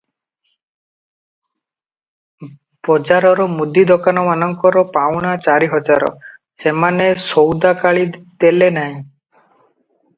ବଜାରର ମୁଦି ଦୋକାନମାନଙ୍କର ପାଉଣା ଚାରିହଜାର, ସେମାନେ ସଉଦାକାଳି ଦେଲେ ନାହିଁ ।